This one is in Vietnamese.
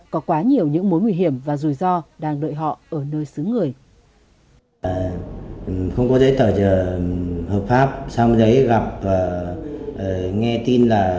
có quá nhiều những mối nguy hiểm và rủi ro đang đợi họ ở nơi xứ người